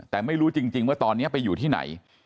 แต่ไม่รู้จริงว่าตอนนี้ไปอยู่ที่ไหน